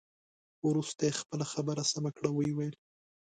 وروسته یې خپله خبره سمه کړه او ويې ویل.